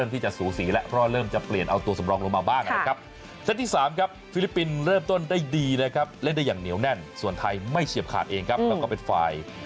ที่โดนฟิลิปปินขึ้นนำนะครับ